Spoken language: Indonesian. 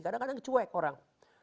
kadang kadang cuek orang